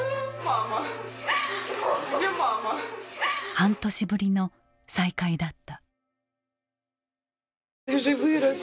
半年ぶりの再会だった。